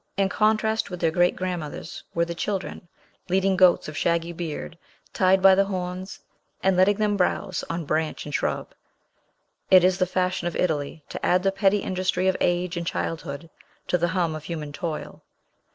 In contrast with their great grandmothers were the children, leading goats of shaggy beard, tied by the horns, and letting them browse on branch and shrub. It is the fashion of Italy to add the petty industry of age and childhood to the hum of human toil.